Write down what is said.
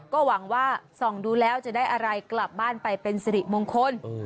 ก็หวังว่าส่องดูแล้วจะได้อะไรกลับบ้านไปเป็นสิริมงคล